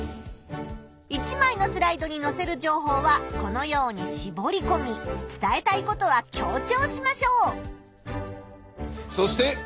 １まいのスライドにのせる情報はこのようにしぼりこみ伝えたいことは強調しましょう！